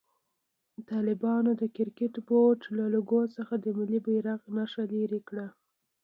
طالبانو د کرکټ بورډ له لوګو څخه د ملي بيرغ نخښه لېري کړه.